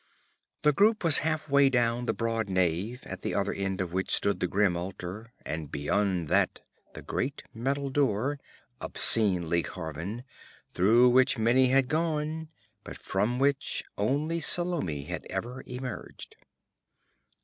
The group was halfway down the broad nave, at the other end of which stood the grim altar and beyond that the great metal door, obscenely carven, through which many had gone, but from which only Salome had ever emerged.